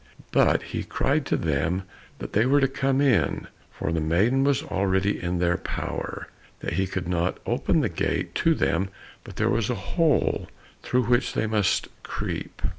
But he cried to them that they were to come in, for the maiden was already in their power, that he could not open the gate to them, but there was a hole through which they must creep.